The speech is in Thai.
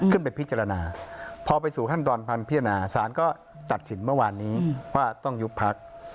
ไปพิจารณาพอไปสู่ขั้นตอนพันธ์พิจารณาสารก็ตัดสินเมื่อวานนี้ว่าต้องยุบพัก